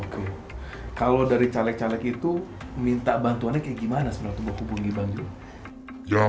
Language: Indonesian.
kalau dari caleg caleg itu minta bantuannya kayak gimana sebenarnya